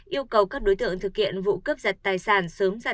yêu cầu các đối tượng thực hiện vụ cướp giật tài sản sớm ra